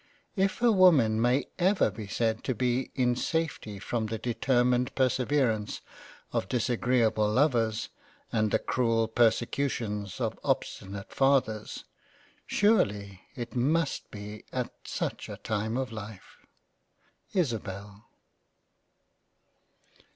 If a woman may ever be said to be in safety from the determined Perseverance of disagreable Lovers and the cruel Persecutions of obstinate Fathers, surely it must be at such a time of Life. Isabel.